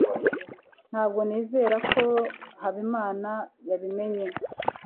ntabwo nizera ko habimana yabimenye